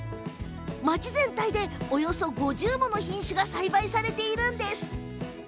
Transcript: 町全体で、およそ５０もの品種が栽培されています。